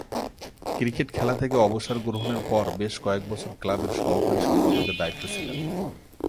Cricket খেলা থেকে অবসর গ্রহণের পর বেশ কয়েকবছর ক্লাবের সহকারী সম্পাদকের দায়িত্বে ছিলেন।